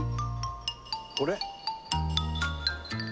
これ？